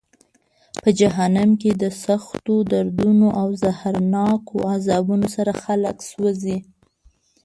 په جهنم کې د سختو دردونو او زهرناکو عذابونو سره خلک سوزي.